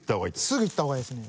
すぐいった方がいいですね